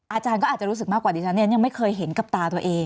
อาจารย์ก็อาจจะรู้สึกมากกว่าดิฉันยังไม่เคยเห็นกับตาตัวเอง